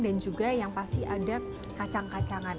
dan juga yang pasti ada kacang kacangan